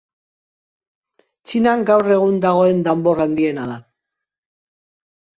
Txinan gaur egun dagoen danbor handiena da.